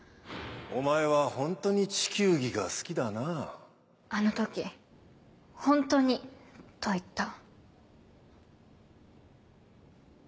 お前はホントに地球儀が好きだなぁあの時「ホントに」と言った。